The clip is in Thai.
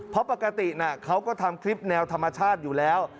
เพราะปกติเขาก็ทำคลิปแนวธรรมชาติอยู่แล้ว